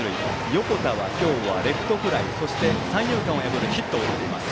横田は今日はレフトフライとそして三遊間を破るヒットを打っています。